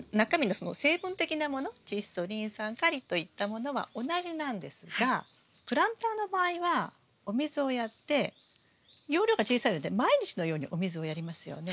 チッ素リン酸カリといったものは同じなんですがプランターの場合はお水をやって容量が小さいので毎日のようにお水をやりますよね。